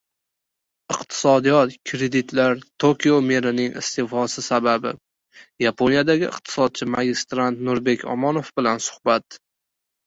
«Iqtisodiyot, kreditlar, Tokio merining iste’fosi sababi...» – Yaponiyadagi iqtisodchi magistrant Nurbek Omonov bilan suhbat